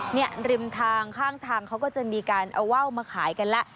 ริมทางข้างทางเขาก็จะมีการเอาว่าวมาขายกันแล้ว